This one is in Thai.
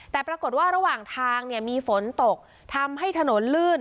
แต่ปรากฏว่าระหว่างทางเนี่ยมีฝนตกทำให้ถนนลื่น